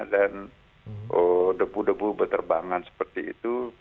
dan debu debu berterbangan seperti itu